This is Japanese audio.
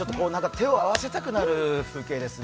手を合わせたくなる風景ですね。